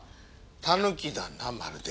たぬきだなまるで。